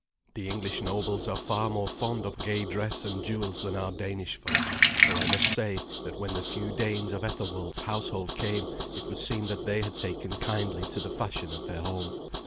The English nobles are far more fond of gay dress and jewels than our Danish folk, though I must say that when the few Danes of Ethelwald's household came it would seem that they had taken kindly to the fashion of their home.